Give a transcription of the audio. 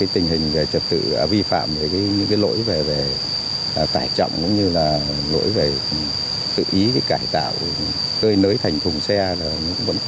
tình hình trật tự vi phạm lỗi về tải trọng cũng như lỗi về tự ý cải tạo cơi nới thành thùng xe